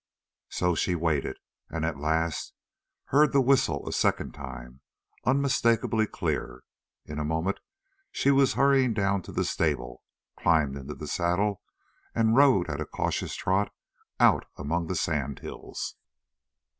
So she waited, and at last heard the whistle a second time, unmistakably clear. In a moment she was hurrying down to the stable, climbed into the saddle, and rode at a cautious trot out among the sand hills.